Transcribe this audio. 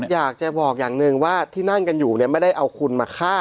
อยากจะบอกอย่างหนึ่งว่าที่นั่งกันอยู่เนี่ยไม่ได้เอาคุณมาฆ่า